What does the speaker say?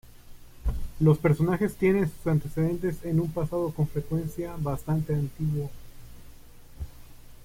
Los personajes tienen sus antecedentes en un pasado con frecuencia bastante antiguo.